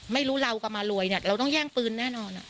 ไม่รู้เรากลับมารวยเนี่ยเราต้องแย่งปืนแน่นอน